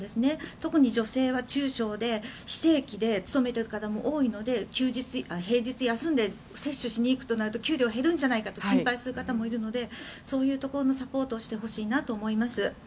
特に女性は中小で非正規で勤めている方も多いので平日休んで接種しに行くとなると給料が減るんじゃないかと心配する方もいるのでそういうところのサポートをしてほしいなと思います。